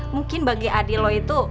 mungkin bagi adik lo itu